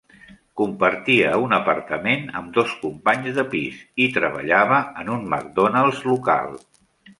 Compartia un apartament amb dos companys de pis i treballava en un McDonald's local.